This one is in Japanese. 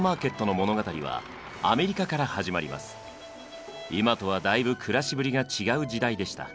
今とはだいぶ暮らしぶりが違う時代でした。